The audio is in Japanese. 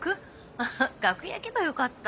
フフ楽屋行けばよかった。